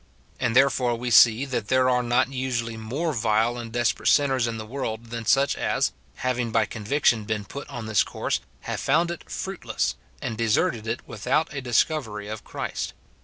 And therefore we see that there are not usually more vile and desperate sinners in the world than such as, having by conviction been put on this coui'se, have found it fruitless, and deserted it without a discovery of Christ.